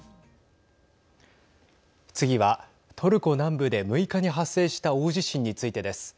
次はトルコ南部で６日に発生した大地震についてです。